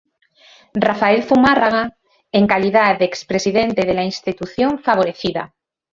Rafael Zumárraga, en calidad de expresidente de la Institución favorecida.